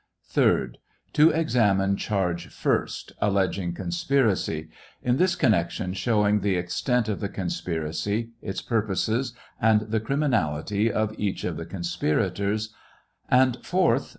. 3d. To examine charge 1st, alleging conspiracy ; in this connection showing the extent of the conspiracy, its purposes, and the criminality of each of the conspirators, and — 4th.